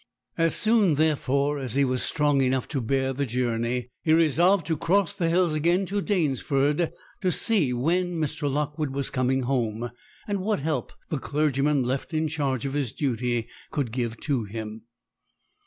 As soon, therefore, as he was strong enough to bear the journey, he resolved to cross the hills again to Danesford, to see when Mr. Lockwood was coming home, and what help the clergyman left in charge of his duty could give to him.